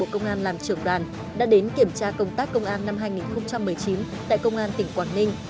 công an làm trưởng đoàn đã đến kiểm tra công tác công an năm hai nghìn một mươi chín tại công an tỉnh quảng ninh